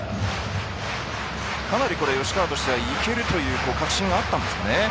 吉川としてはいけるという確信があったんですね。